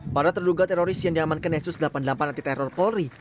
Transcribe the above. para terduga teroris yang diamankan densus delapan puluh delapan anti teror polri